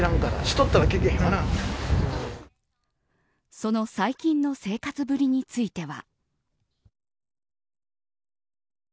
その最近の生活ぶりについては。